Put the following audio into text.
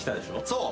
そう。